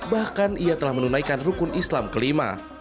bahkan ia telah menunaikan rukun islam kelima